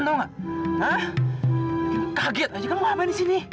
nah kaget aja kamu ngapain di sini